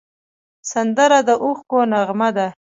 سندره د اوښکو نغمه ده